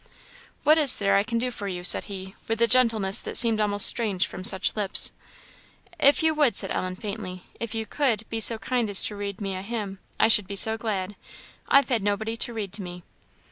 "What is there I can do for you?" said he, with a gentleness that seemed almost strange from such lips. "If you would," said Ellen, faintly, "if you could be so kind as to read to me a hymn I should be so glad. I've had nobody to read to me."